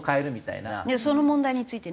その問題についてね